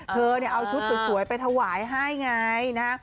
เธอเอาชุดสวยไปถวายให้ไงนะฮะ